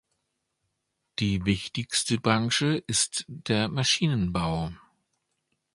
Die wichtigste Branche ist der Maschinenbau.